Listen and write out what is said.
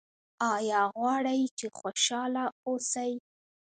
ایا غواړئ چې خوشحاله اوسئ؟